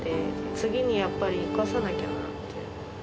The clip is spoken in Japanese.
次にやっぱり生かさなきゃなって。